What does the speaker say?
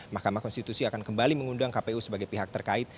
mahkamah konstitusi akan kembali mengundang kpu sebagai pihak terkait